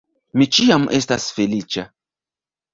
Mi ĉiam estas feliĉa